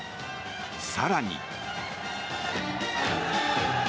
更に。